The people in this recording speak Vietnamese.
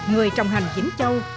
người trồng hành vĩnh châu